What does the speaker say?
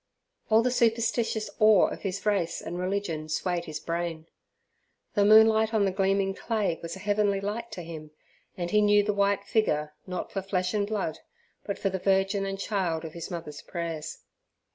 All the superstitious awe of his race and religion swayed his brain. The moonlight on the gleaming clay was a "heavenly light" to him, and he knew the white figure not for flesh and blood, but for the Virgin and Child of his mother's prayers.